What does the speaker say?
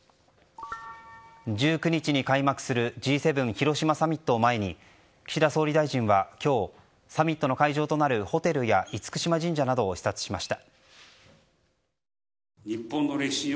１９日に開幕するＧ７広島サミットを前に岸田総理大臣は今日サミットの会場となるホテルや厳島神社などを視察しました。